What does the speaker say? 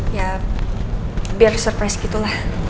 ya biar surprise gitulah